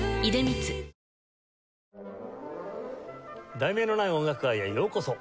『題名のない音楽会』へようこそ。